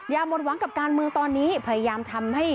หมดหวังกับการเมืองตอนนี้พยายามทำให้